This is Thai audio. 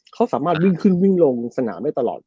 เขาสามารถวิ่งขึ้นวิ่งลงสนามได้ตลอด